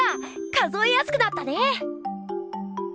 数えやすくなったね！